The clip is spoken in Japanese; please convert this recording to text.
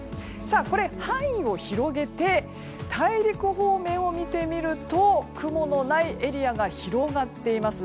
これ、範囲を広げて大陸方面を見てみると雲のないエリアが広がっています。